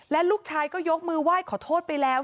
และลูกชายก็ยกมือไหว้ขอโทษไปแล้ว